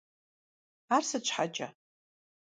Ар сыт щхьэкӀэ?